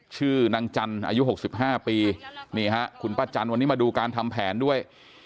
ชื่อนางจันทร์อายุ๖๕ปีนี่ฮะคุณป้าจันวันนี้มาดูการทำแผนด้วย